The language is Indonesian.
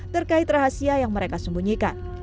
terkait rahasia yang mereka sembunyikan